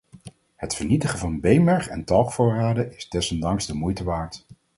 Het vernietigen van beenmerg- en talgvoorraden is desondanks de moeite waard.